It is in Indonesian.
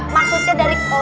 baru diangkat dari pohon